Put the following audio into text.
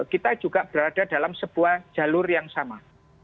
kita juga berada dalam sebuah jalur yang sama